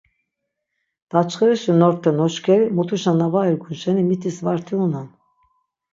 Daçxirişi norte noşkeri mutuşa na var irgun şeni mitis varti unon.